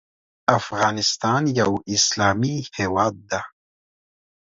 افغانستان یو اسلامې هیواد ده